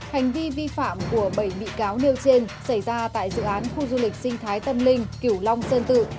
hành vi vi phạm của bảy bị cáo nêu trên xảy ra tại dự án khu du lịch sinh thái tâm linh kiểu long sơn tự